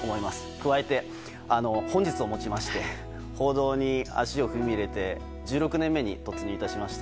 加えて本日をもちまして報道に足を踏み入れて１６年目に突入致しました。